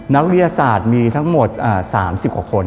นักวิทยาศาสตร์มีทั้งหมด๓๐กว่าคน